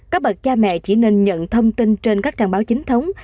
các bậc cha mẹ chỉ nên nhận thông tin trên các trang báo chính thống